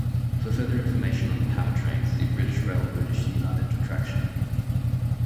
For further information on the powertrain see British Rail British United Traction.